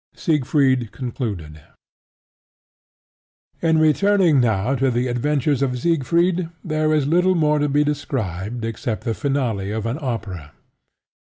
SIEGFRIED CONCLUDED In returning now to the adventures of Siegfried there is little more to be described except the finale of an opera.